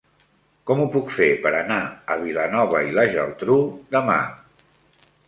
Com ho puc fer per anar a Vilanova i la Geltrú demà?